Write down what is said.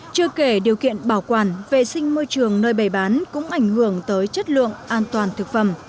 chưa kể điều kiện bảo quản vệ sinh môi trường nơi bày bán cũng ảnh hưởng tới chất lượng an toàn thực phẩm